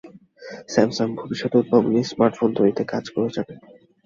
Samsung ভবিষ্যতে উদ্ভাবনী smartphone তৈরিতে কাজ করে যাবে।